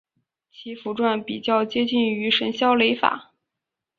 其符箓比较接近于神霄雷法。